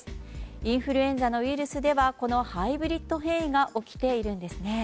インフルエンザのウイルスではこのハイブリッド変異が起きているんですね。